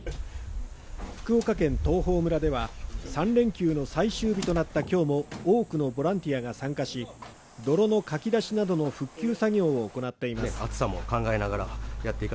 福岡県東峰村では３連休の最終日となった今日も多くのボランティアが参加し、泥のかき出しなどの復旧作業を行っています